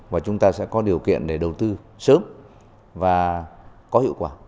và chúng ta sẽ có điều kiện để đầu tư sớm và có hiệu quả